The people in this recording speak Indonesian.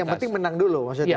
yang penting menang dulu maksudnya